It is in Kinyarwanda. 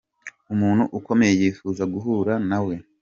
Umuntu ukomeye yifuza guhura na we.